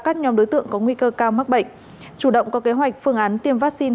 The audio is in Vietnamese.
các nhóm đối tượng có nguy cơ cao mắc bệnh chủ động có kế hoạch phương án tiêm vaccine